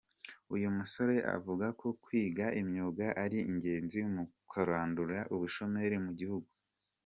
Uyu musore avuga ko kwiga imyuga ari ingenzi mu kurandura ubushomeri mu gihugu.